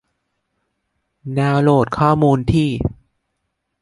ดาวน์โหลดข้อมูลที่